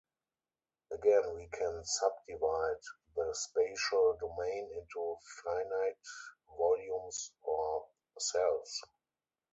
Again we can sub-divide the spatial domain into finite volumes or cells.